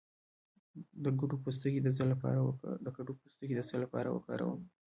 د کدو پوستکی د څه لپاره وکاروم؟